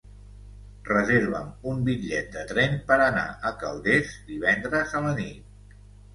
Reserva'm un bitllet de tren per anar a Calders divendres a la nit.